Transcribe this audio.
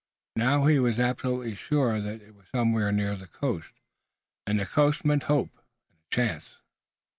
Now he was absolutely sure that they were somewhere near the coast, and the coast meant hope and a chance.